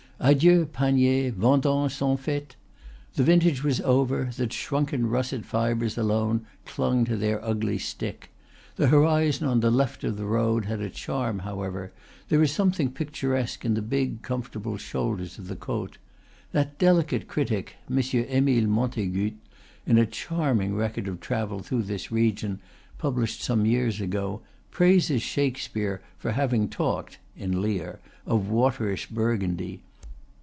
Adieu, paniers; vendanges sont faites! The vintage was over; the shrunken russet fibres alone clung to their ugly stick. The horizon on the left of the road had a charm, however, there is something picturesque in the big, comfortable shoulders of the Cote. That delicate critic, M. Emile Montegut, in a charming record of travel through this region, published some years ago, praises Shakspeare for having talked (in "Lear") of "waterish Burgundy."